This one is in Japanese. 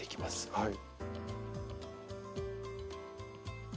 はい。